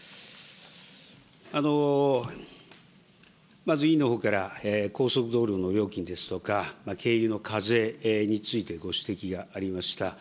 まず委員のほうから高速道路の料金ですとか、軽油の課税についてご指摘がありました。